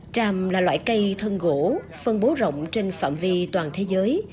tràm là loại cây thân gỗ phân bố rộng trên phạm vi toàn thế giới